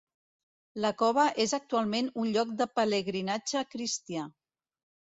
La cova és actualment un lloc de pelegrinatge cristià.